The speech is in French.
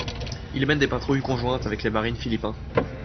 Ils mènent des patrouilles conjointes avec les Marines philippins.